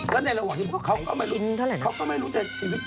แล้วในระหว่างที่เขาก็ไม่รู้จักชีวิต